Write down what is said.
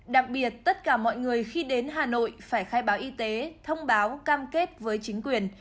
đặc biệt tất cả mọi người khi đến hà nội phải khai báo y tế thông báo cam kết với chính quyền